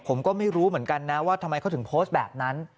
ผมก็ไม่รู้เหมือนกันนะว่าทำไมเขาถึงโพสต์แบบนั้น